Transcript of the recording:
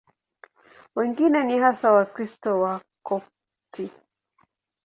Wengine ni hasa Wakristo Wakopti.